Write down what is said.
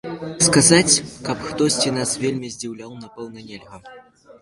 Сказаць, каб хтосьці нас вельмі здзіўляў, напэўна, нельга.